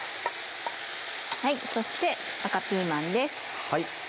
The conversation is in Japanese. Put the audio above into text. そして赤ピーマンです。